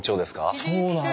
そうなんですよ。